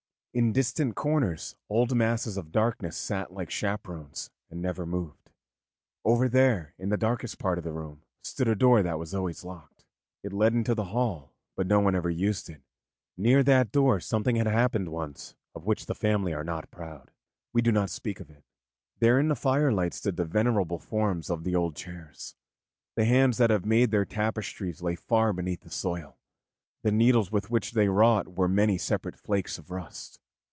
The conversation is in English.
In distant corners old masses of darkness sat still like chaperones and never moved. Over there, in the darkest part of the room, stood a door that was always locked. It led into the hall, but no one ever used it; near that door something had happened once of which the family are not proud. We do not speak of it. There in the firelight stood the venerable forms of the old chairs; the hands that had made their tapestries lay far beneath the soil, the needles with which they wrought were many separate flakes of rust.